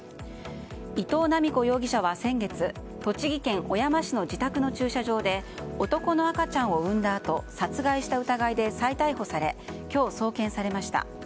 伊藤七美子容疑者は先月栃木県小山市の自宅の駐車場で男の赤ちゃんを産んだあと殺害した疑いで再逮捕され今日、送検されました。